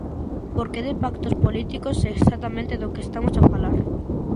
Porque de pactos políticos é exactamente do que estamos a falar.